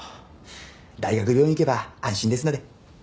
大学病院に行けば安心ですので。